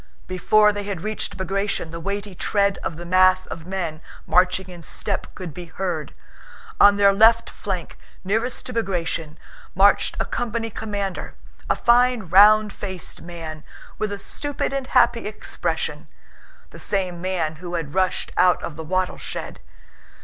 Before they had reached Bagratión, the weighty tread of the mass of men marching in step could be heard. On their left flank, nearest to Bagratión, marched a company commander, a fine round faced man, with a stupid and happy expression—the same man who had rushed out of the wattle shed.